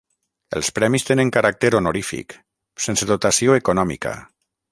Els Premis tenen caràcter honorífic, sense dotació econòmica.